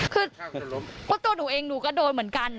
คือเพราะตัวหนูเองหนูก็โดนเหมือนกัน